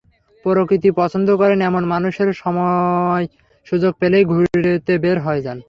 প্রকৃতি পছন্দ করেন, এমন মানুষেরা সময়-সুযোগ পেলেই ঘুরতে বের হয়ে যান।